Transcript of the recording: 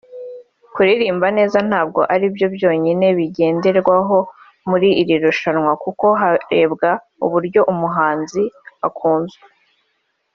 Kuririmba neza ntabwo ari byo byonyine bigenderwaho muri iri rushanwa kuko harebwa uburyo umuhanzi akunzwe